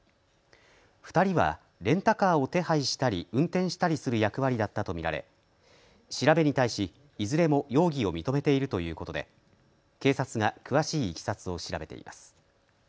２人はレンタカーを手配したり運転したりする役割だったと見られ調べに対しいずれも容疑を認めているということで警察が詳しいいきさつを調べています。